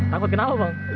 takut kenapa bang